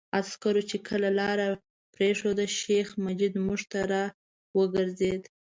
عسکرو چې کله لاره پرېښوده، شیخ مجید موږ ته را وګرځېد.